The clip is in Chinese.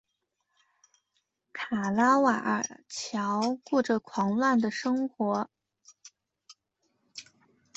卡拉瓦乔过着狂乱的生活。